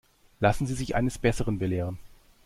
Lassen Sie sich eines Besseren belehren.